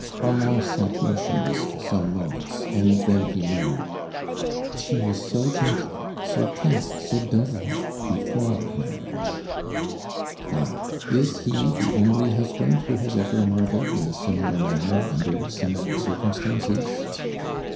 Armand sat motionless for some moments and then he murmured :" She was so gentle — so timid — so dove like before mar riage I" Ah ! is he the only husband who ha*i ever marvelled in a similar manner under similar circumstances